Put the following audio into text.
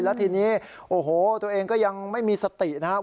แล้วทีนี้โอ้โหตัวเองก็ยังไม่มีสตินะครับ